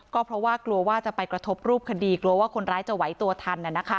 ก็เพราะว่ากลัวว่าจะไปกระทบรูปคดีกลัวว่าคนร้ายจะไหวตัวทัน